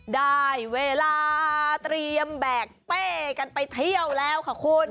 ได้เวลาเตรียมแบกเป้กันไปเที่ยวแล้วค่ะคุณ